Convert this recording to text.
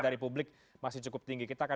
dari publik masih cukup tinggi